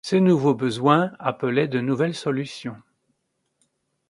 Ces nouveaux besoins appelaient de nouvelles solutions.